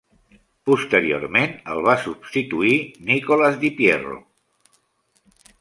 Posteriorment, el va substituir Nicolas diPierro.